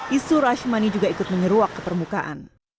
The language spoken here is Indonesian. isu rashmani juga ikut menyeruak ke permukaan